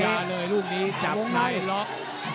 หมดยาเลยรูปนี้จับมีล็อก